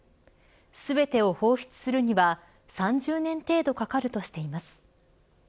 全てを放出するには３０年程度かかるとしています。